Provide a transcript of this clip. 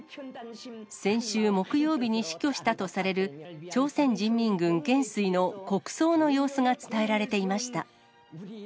先週木曜日に死去したとされる朝鮮人民軍元帥の国葬の様子が伝えられていました。